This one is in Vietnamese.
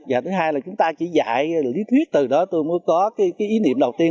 và thứ hai là chúng ta chỉ dạy được lý thuyết từ đó tôi mới có cái ý niệm đầu tiên